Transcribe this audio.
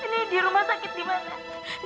ini di rumah sakit dimana